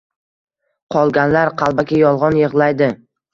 Qolganlar qalbaki yolgon yiglaydi